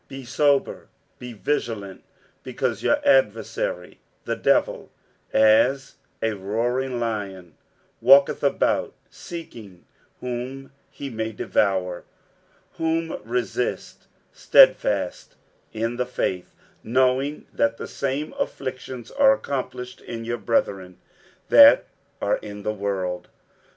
60:005:008 Be sober, be vigilant; because your adversary the devil, as a roaring lion, walketh about, seeking whom he may devour: 60:005:009 Whom resist stedfast in the faith, knowing that the same afflictions are accomplished in your brethren that are in the world.